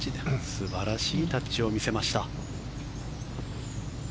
素晴らしいタッチを見せました。